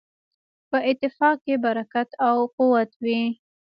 په اتفاق کې برکت او قوت وي.